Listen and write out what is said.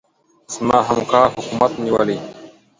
زما همکار حکومت ونيولې.